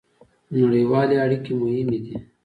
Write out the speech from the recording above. نړیوالې اړیکې مهمې دي